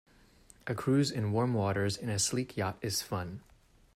A cruise in warm waters in a sleek yacht is fun.